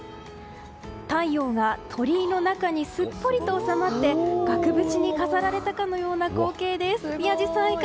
太陽が鳥居の中にすっぽりと収まって額縁に飾られたかのような光景です。